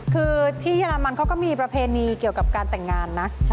คือที่เยอรมันเขาก็มีประเพณีเกี่ยวกับการแต่งงานนะ